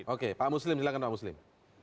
oke pak muslim silahkan pak muslim